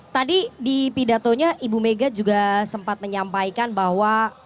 tadi di pidatonya ibu mega juga sempat menyampaikan bahwa